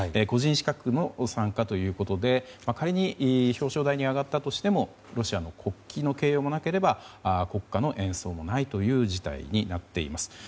個人資格の参加ということで仮に、表彰台に上がったとしてもロシアの国旗掲揚もなければ国歌の演奏もないという事態になっています。